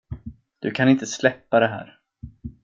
Du kan inte släppa det här.